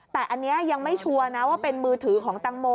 แต่อันนี้ยังไม่ชัวร์นะว่าเป็นมือถือของตังโม